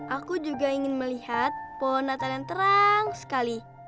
aku juga ingin melihat pohon natal yang terang sekali